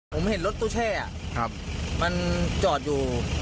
ผมเห็นรถตู้แช่มันจอดอยู่